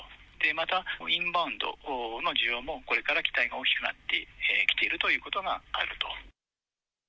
また、インバウンドの需要もこれから期待が大きくなってきているということがあると。